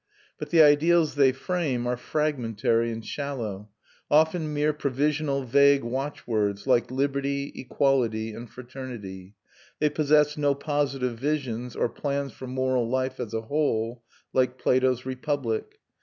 But the ideals they frame are fragmentary and shallow, often mere provisional vague watchwords, like liberty, equality, and fraternity; they possess no positive visions or plans for moral life as a whole, like Plato's Republic.